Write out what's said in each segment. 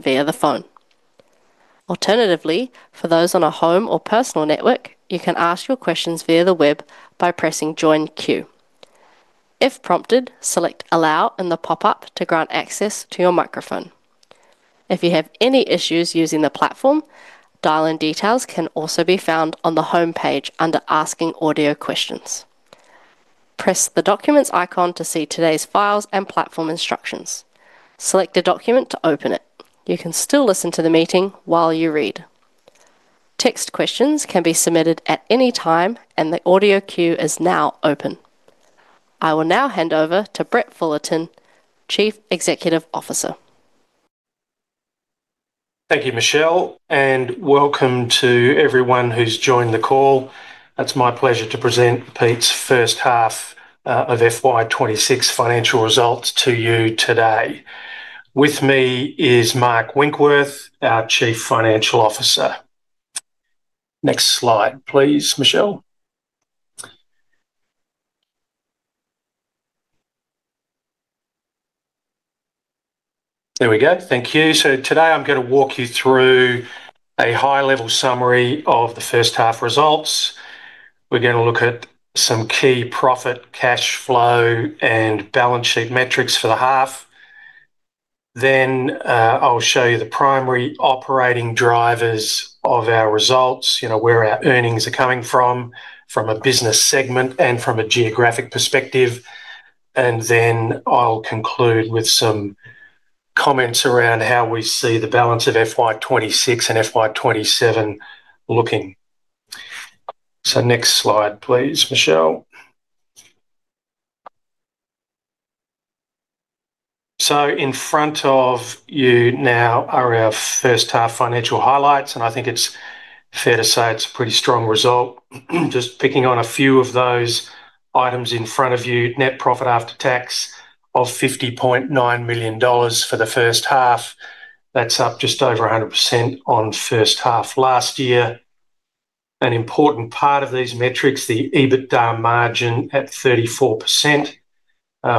Via the phone. Alternatively, for those on a home or personal network, you can ask your questions via the web by pressing Join Queue. If prompted, select Allow in the pop-up to grant access to your microphone. If you have any issues using the platform, dial-in details can also be found on the homepage under Asking Audio Questions. Press the Documents icon to see today's files and platform instructions. Select a document to open it. You can still listen to the meeting while you read. Text questions can be submitted at any time, and the audio queue is now open. I will now hand over to Brett Fullerton, Chief Executive Officer. Thank you, Michelle, and welcome to everyone who's joined the call. It's my pleasure to present Peet's H1 of FY 2026 Financial Results to you today. With me is Mark Winkworth, our Chief Financial Officer. Next slide, please, Michelle. There we go. Thank you. So today I'm gonna walk you through a high-level summary of the first half results. We're gonna look at some key profit, cash flow, and balance sheet metrics for the half. Then I'll show you the primary operating drivers of our results, you know, where our earnings are coming from, from a business segment and from a geographic perspective. And then I'll conclude with some comments around how we see the balance of FY 2026 and FY 2027 looking. So next slide, please, Michelle. So in front of you now are our first-half financial highlights, and I think it's fair to say it's a pretty strong result. Just picking on a few of those items in front of you, net profit after tax of 50.9 million dollars for the H1. That's up just over 100% on H1 last year. An important part of these metrics, the EBITDA margin at 34%.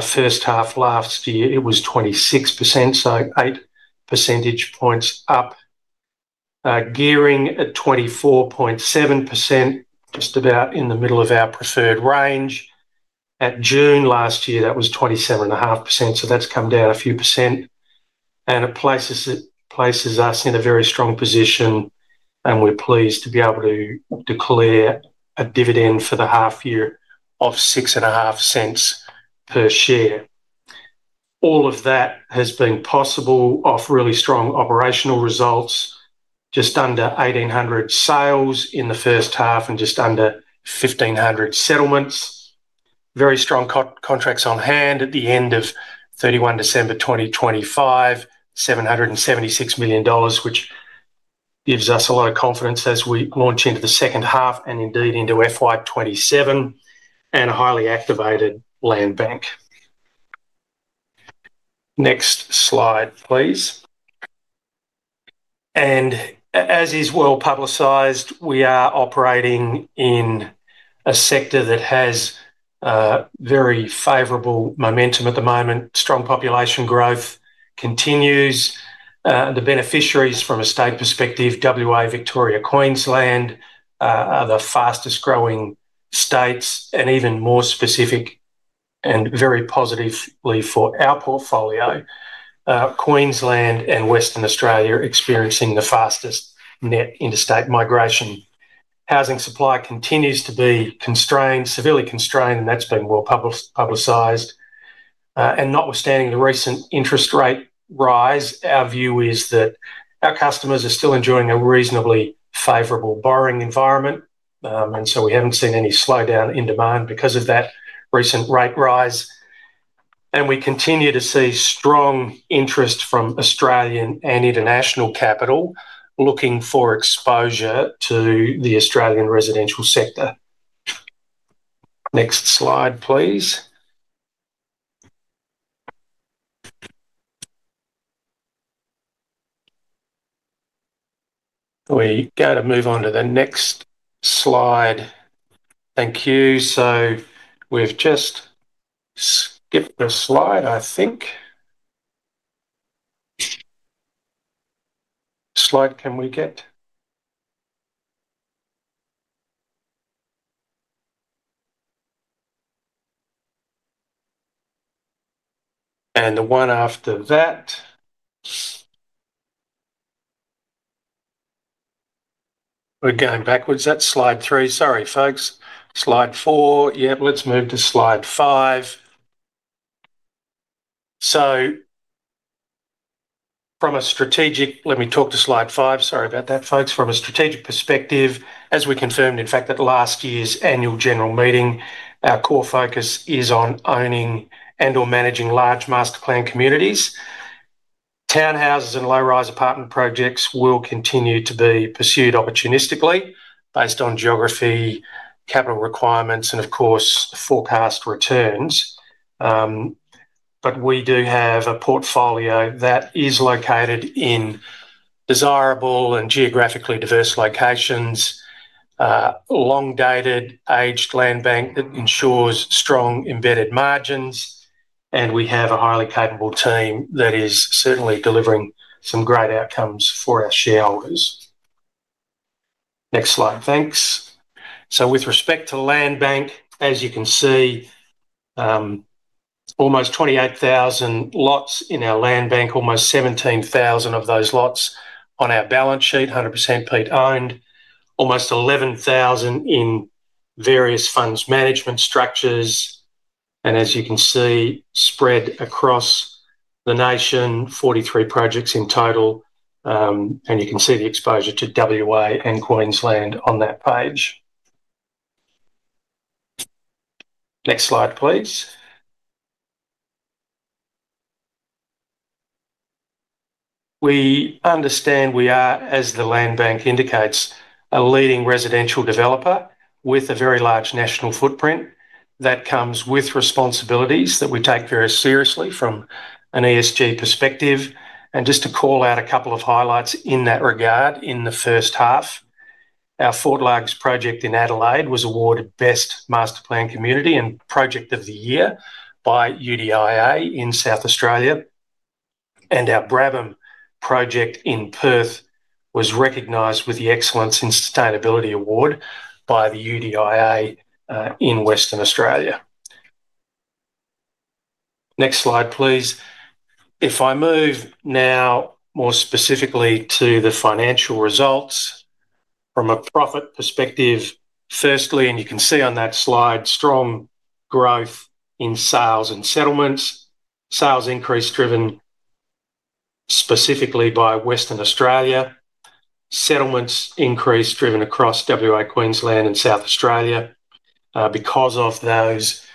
First half last year, it was 26%, so 8 percentage points up. Gearing at 24.7%, just about in the middle of our preferred range. At June last year, that was 27.5%, so that's come down a few percent, and it places it, places us in a very strong position, and we're pleased to be able to declare a dividend for the half year of 0.065 per share. All of that has been possible off really strong operational results, just under 1,800 sales in the first half and just under 1,500 settlements. Very strong contracts on hand at the end of 31 December 2025, AUD 776 million, which gives us a lot of confidence as we launch into the second half and indeed into FY 2027 and a highly activated land bank. Next slide, please. As is well-publicized, we are operating in a sector that has very favorable momentum at the moment. Strong population growth continues. The beneficiaries from a state perspective, WA, Victoria, Queensland, are the fastest growing states and even more specific and very positively for our portfolio, Queensland and Western Australia are experiencing the fastest net interstate migration. Housing supply continues to be constrained, severely constrained, and that's been well publicized. And notwithstanding the recent interest rate rise, our view is that our customers are still enjoying a reasonably favorable borrowing environment. And so we haven't seen any slowdown in demand because of that recent rate rise, and we continue to see strong interest from Australian and international capital looking for exposure to the Australian residential sector. Next slide, please. We got to move on to the next slide. Thank you. So we've just skipped a slide, I think. Slide can we get? And the one after that. We're going backwards. That's slide three. Sorry, folks. Slide four. Yep, let's move to slide five. Let me talk to slide five. Sorry about that, folks. From a strategic perspective, as we confirmed, in fact, at last year's annual general meeting, our core focus is on owning and or managing large master-planned communities. Townhouses and low-rise apartment projects will continue to be pursued opportunistically based on geography, capital requirements, and of course, forecast returns. But we do have a portfolio that is located in desirable and geographically diverse locations, long dated aged land bank that ensures strong embedded margins, and we have a highly capable team that is certainly delivering some great outcomes for our shareholders. Next slide. Thanks. So with respect to land bank, as you can see, almost 28,000 lots in our land bank, almost 17,000 of those lots on our balance sheet, 100% Peet owned, almost 11,000 in various funds management structures. As you can see, spread across the nation, 43 projects in total, and you can see the exposure to WA and Queensland on that page. Next slide, please. We understand we are, as the land bank indicates, a leading residential developer with a very large national footprint that comes with responsibilities that we take very seriously from an ESG perspective. Just to call out a couple of highlights in that regard, in the first half, our Fort Largs project in Adelaide was awarded Best Master Plan Community and Project of the Year by UDIA in South Australia, and our Brabham project in Perth was recognized with the Excellence in Sustainability Award by the UDIA in Western Australia. Next slide, please. If I move now more specifically to the financial results from a profit perspective, firstly, and you can see on that slide, strong growth in sales and settlements. Sales increase driven specifically by Western Australia. Settlements increase driven across WA, Queensland, and South Australia. Because of those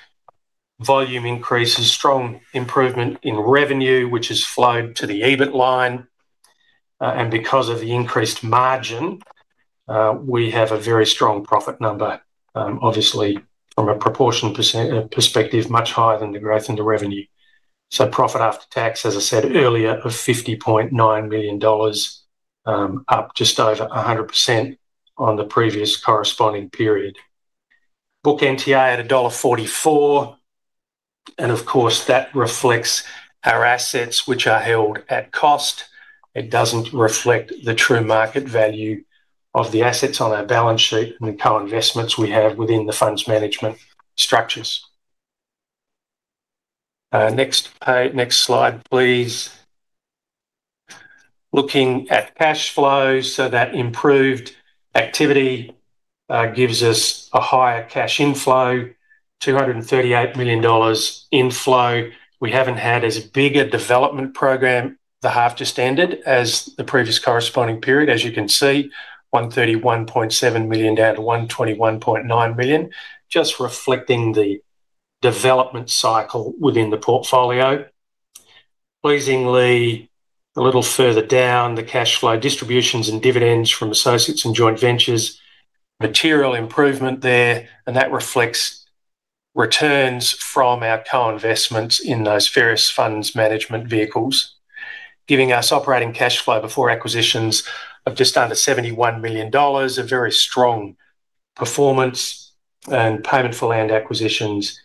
volume increases, strong improvement in revenue, which has flowed to the EBIT line, and because of the increased margin, we have a very strong profit number. Obviously, from a proportional perspective, much higher than the growth in the revenue. So profit after tax, as I said earlier, of 50.9 million dollars, up just over 100% on the previous corresponding period. Book NTA at dollar 1.44, and of course, that reflects our assets, which are held at cost. It doesn't reflect the true market value of the assets on our balance sheet and the co-investments we have within the funds management structures. Next page, next slide, please. Looking at cash flows, so that improved activity gives us a higher cash inflow, 238 million dollars inflow. We haven't had as big a development program, the half just ended, as the previous corresponding period. As you can see, 131.7 million down to 121.9 million, just reflecting the development cycle within the portfolio. Pleasingly, a little further down, the cash flow distributions and dividends from associates and joint ventures, material improvement there, and that reflects returns from our co-investments in those various funds management vehicles, giving us operating cash flow before acquisitions of just under 71 million dollars, a very strong performance and payment for land acquisitions,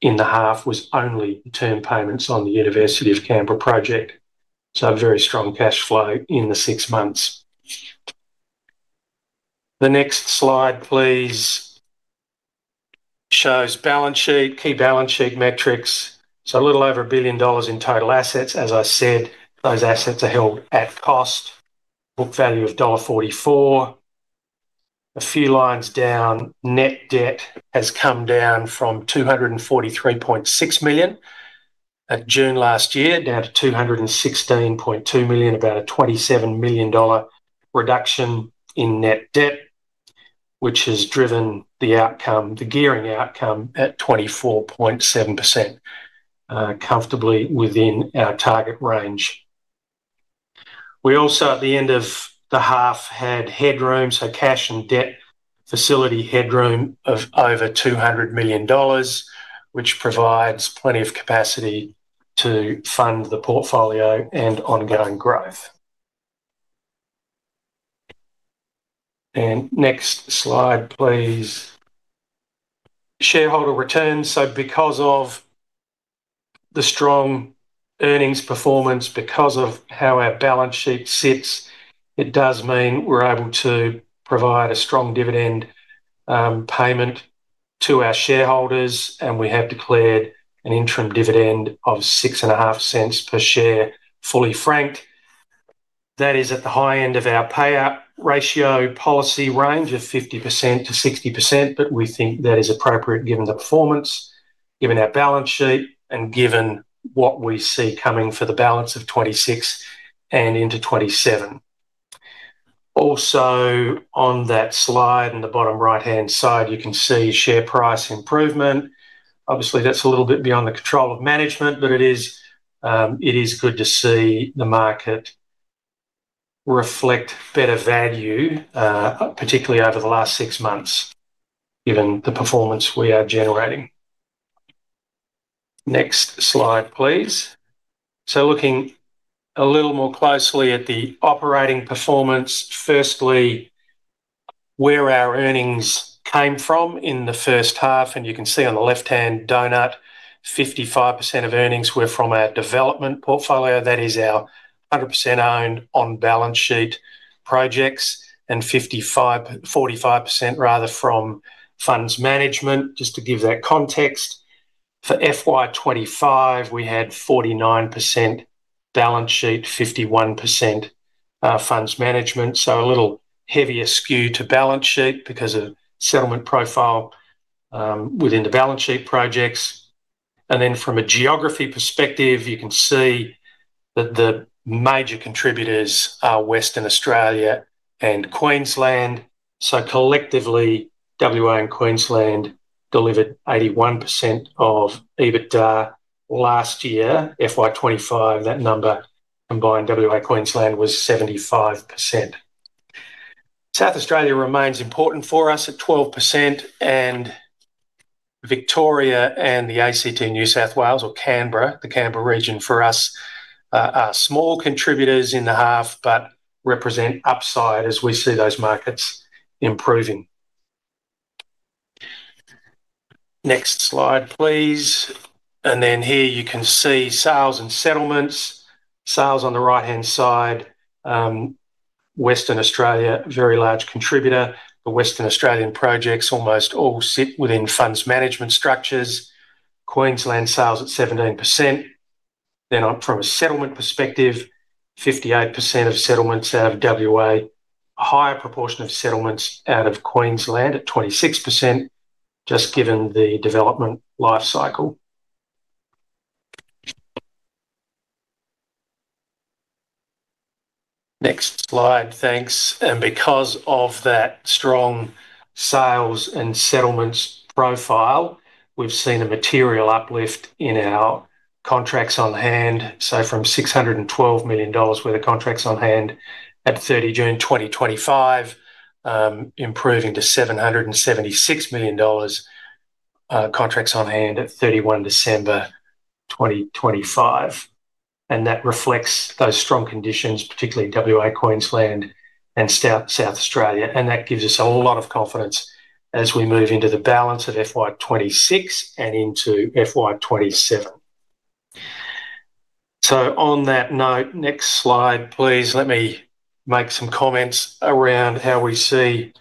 in the half was only term payments on the University of Canberra project, so a very strong cash flow in the six months. The next slide, please, shows balance sheet, key balance sheet metrics, so a little over 1 billion dollars in total assets. As I said, those assets are held at cost, book value of dollar 1.44. A few lines down, net debt has come down from 243.6 million at June last year, down to 216.2 million, about a 27 million dollar reduction in net debt, which has driven the outcome, the gearing outcome at 24.7%, comfortably within our target range. We also, at the end of the half, had headroom, so cash and debt facility headroom of over 200 million dollars, which provides plenty of capacity to fund the portfolio and ongoing growth. Next slide, please. Shareholder returns. Because of the strong earnings performance, because of how our balance sheet sits, it does mean we're able to provide a strong dividend payment to our shareholders, and we have declared an interim dividend of 0.065 per share, fully franked. That is at the high end of our payout ratio policy range of 50%-60%, but we think that is appropriate given the performance, given our balance sheet, and given what we see coming for the balance of 2026 and into 2027. Also, on that slide, in the bottom right-hand side, you can see share price improvement. Obviously, that's a little bit beyond the control of management, but it is, it is good to see the market reflect better value, particularly over the last six months, given the performance we are generating. Next slide, please. So looking a little more closely at the operating performance. Firstly, where our earnings came from in the first half, and you can see on the left-hand donut, 55% of earnings were from our development portfolio. That is our 100% owned on-balance sheet projects, and 55%, 45% rather, from funds management. Just to give that context, for FY 2025, we had 49% balance sheet, 51% funds management. So a little heavier skew to balance sheet because of settlement profile within the balance sheet projects. And then from a geography perspective, you can see that the major contributors are Western Australia and Queensland. So collectively, WA and Queensland delivered 81% of EBITDA last year. FY 2025, that number, combined WA and Queensland, was 75%. South Australia remains important for us at 12%, and Victoria and the ACT, New South Wales or Canberra, the Canberra region for us, are small contributors in the half but represent upside as we see those markets improving. Next slide, please. And then here you can see sales and settlements. Sales on the right-hand side, Western Australia, a very large contributor. The Western Australian projects almost all sit within funds management structures. Queensland sales at 17%. Then on from a settlement perspective, 58% of settlements out of WA. A higher proportion of settlements out of Queensland at 26%, just given the development life cycle. Next slide. Thanks. And because of that strong sales and settlements profile, we've seen a material uplift in our contracts on hand. So from 612 million dollars worth of contracts on hand at 30 June 2025, improving to 776 million dollars contracts on hand at 31 December 2025. And that reflects those strong conditions, particularly WA, Queensland, and South Australia, and that gives us a lot of confidence as we move into the balance of FY 2026 and into FY 2027. So on that note, next slide, please. Let me make some comments around how we see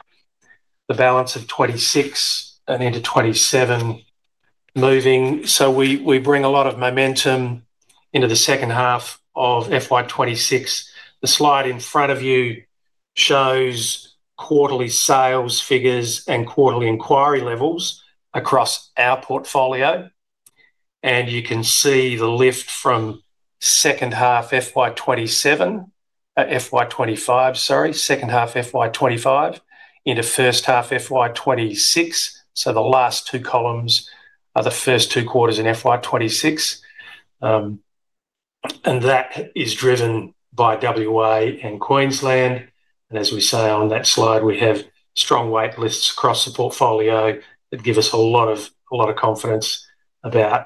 the balance of 2026 and into 2027 moving. So we bring a lot of momentum into the second half of FY 2026. The slide in front of you shows quarterly sales figures and quarterly inquiry levels across our portfolio, and you can see the lift from second half FY 2027, FY 2025, sorry, second half FY 2025 into first half FY 2026. So the last two columns are the first two quarters in FY 2026, and that is driven by WA and Queensland. And as we say on that slide, we have strong wait lists across the portfolio that give us a lot of, a lot of confidence about,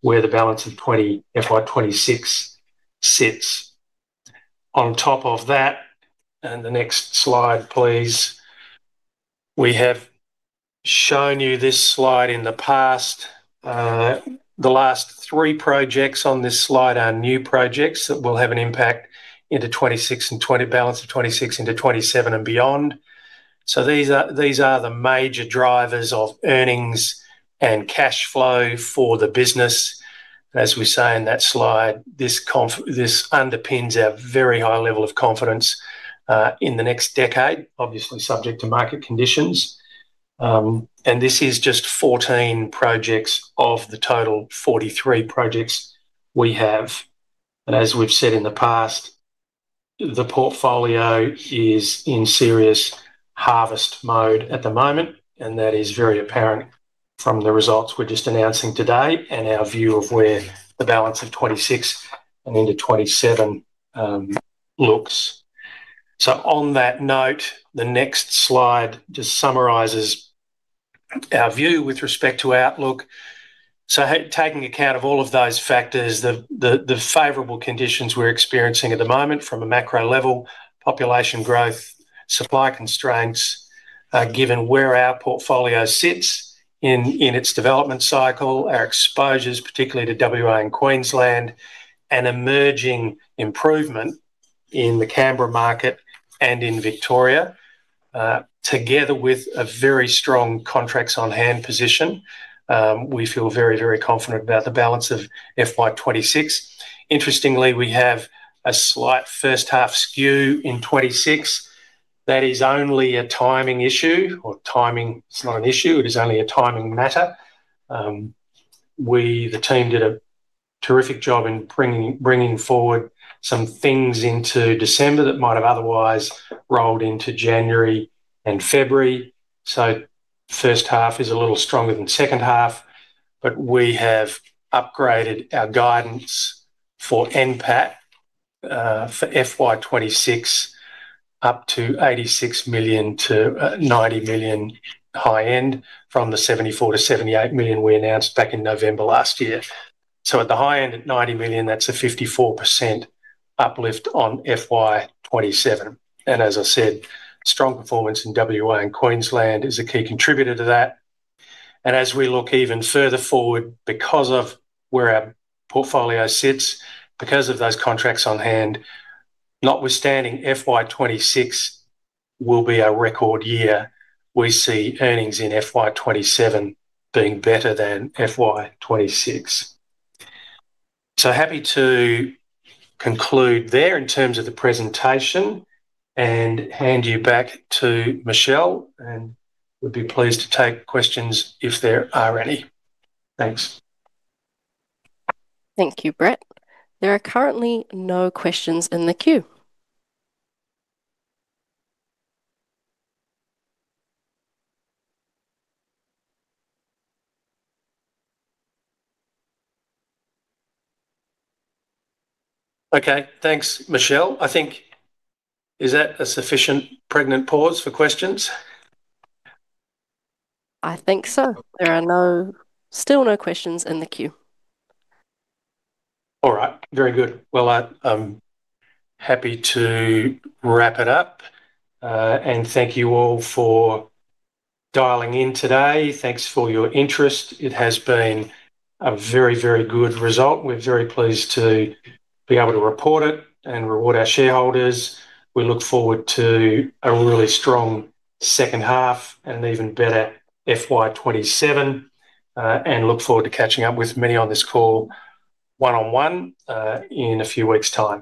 where the balance of FY 2026 sits. On top of that, and the next slide, please. We have shown you this slide in the past. The last three projects on this slide are new projects that will have an impact into 2026 and the balance of 2026 into 2027 and beyond. So these are, these are the major drivers of earnings and cash flow for the business. As we say in that slide, this underpins our very high level of confidence in the next decade, obviously subject to market conditions. And this is just 14 projects of the total 43 projects we have. As we've said in the past, the portfolio is in serious harvest mode at the moment, and that is very apparent from the results we're just announcing today and our view of where the balance of 2026 and into 2027 looks. So on that note, the next slide just summarizes our view with respect to outlook. So, taking account of all of those factors, the favorable conditions we're experiencing at the moment from a macro level, population growth, supply constraints, given where our portfolio sits in its development cycle, our exposures, particularly to WA and Queensland, an emerging improvement in the Canberra market and in Victoria, together with a very strong contracts on-hand position, we feel very, very confident about the balance of FY 2026. Interestingly, we have a slight first half skew in 2026. That is only a timing issue, or timing, it's not an issue, it is only a timing matter. We, the team, did a terrific job in bringing forward some things into December that might have otherwise rolled into January and February. So the first half is a little stronger than the second half, but we have upgraded our guidance for NPAT for FY 2026 up to 86 million to 90 million high end from the 74 million - 78 million we announced back in November last year. So at the high end, at 90 million, that's a 54% uplift on FY 2027. And as I said, strong performance in WA and Queensland is a key contributor to that. And as we look even further forward, because of where our portfolio sits, because of those contracts on hand, notwithstanding FY 2026 will be our record year, we see earnings in FY 2027 being better than FY 2026. So happy to conclude there in terms of the presentation and hand you back to Michelle, and would be pleased to take questions if there are any. Thanks. Thank you, Brett. There are currently no questions in the queue. Okay. Thanks, Michelle. I think, is that a sufficient pregnant pause for questions? I think so. There are no, still no questions in the queue. All right. Very good. Well, I'm happy to wrap it up. Thank you all for dialing in today. Thanks for your interest. It has been a very, very good result. We're very pleased to be able to report it and reward our shareholders. We look forward to a really strong second half and an even better FY 2027, and look forward to catching up with many on this call one-on-one, in a few weeks' time.